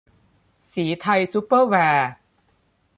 ศรีไทยซุปเปอร์แวร์